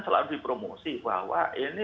selalu dipromosi bahwa ini